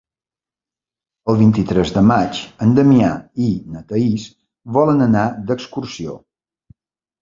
El vint-i-tres de maig en Damià i na Thaís volen anar d'excursió.